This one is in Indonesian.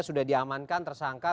sudah diamankan tersangka